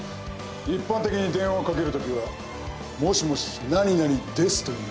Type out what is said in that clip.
一般的に電話をかける時は「もしもし○○です」と言う。